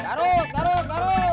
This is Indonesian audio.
tarut tarut tarut